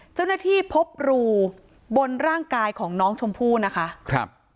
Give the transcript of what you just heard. เจ้าหน้าที่พบรูบนร่างกายของน้องชมพู่นะคะครับ